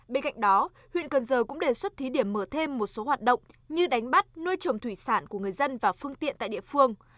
bên cạnh đó huyện cần giờ cũng đề xuất thí điểm mở thêm một số hoạt động như đánh bắt nuôi trồng thủy sản của người dân và phương tiện tại địa phương